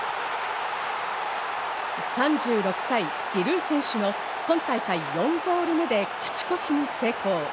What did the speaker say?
３６歳、ジルー選手の今大会４ゴール目で勝ち越しに成功。